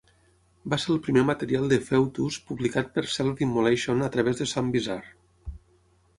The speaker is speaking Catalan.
Va ser el primer material de Foetus publicat per Self Immolation a través de Some Bizzare.